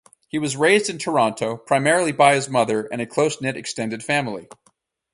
He was raised in Toronto, primarily by his mother and a close-knit extended family.